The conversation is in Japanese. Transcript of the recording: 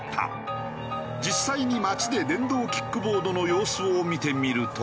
実際に街で電動キックボードの様子を見てみると。